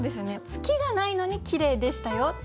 「月がないのに綺麗でしたよ」。